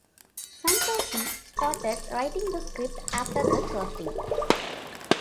Santoshi started writing the script after the casting.